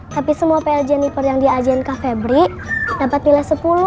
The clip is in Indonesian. tapi semua pr jeniper yang dia ajarin kak febri dapat nilai sepuluh